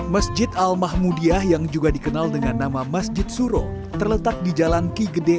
masjid al mahmudiyah yang juga dikenal dengan nama masjid suro terletak di jalan ki gede